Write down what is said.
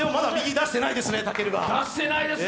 出してないですね。